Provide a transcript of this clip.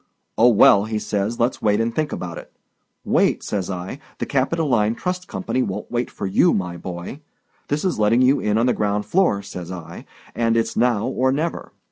'Oh, well,' he says, 'let's wait and think about it.' 'Wait!' says I, 'the Capitoline Trust Company won't wait for you, my boy. This is letting you in on the ground floor,' says I, 'and it's now or never.